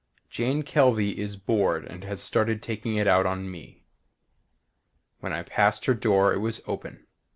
Jane Kelvey is bored and has started taking it out on me. When I passed her door it was open.